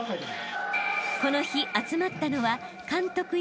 ［この日集まったのは監督